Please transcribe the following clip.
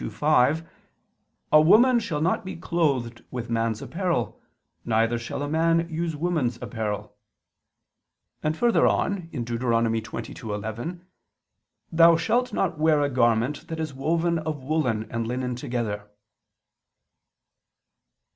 22:5): "A woman shall not be clothed with man's apparel, neither shall a man use woman's apparel": and further on (Deut. 22:11): "Thou shalt not wear a garment that is woven of woolen and linen together."